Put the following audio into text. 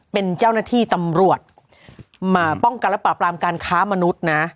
เป็นเจ้าหน้าที่ตำรวจมาป้องกันและปราบรามการค้ามนุษย์นะ